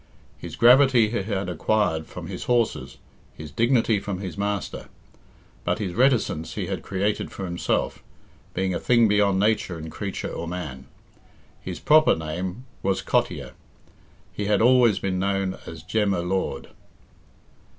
His gravity he had acquired from his horses, his dignity from his master; but his reticence he had created for himself, being a thing beyond nature in creature or man. His proper name was Cottier; he had always been known as Jemy Lord.